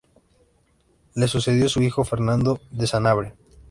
Le sucedió su hijo Fernando de Sanabria.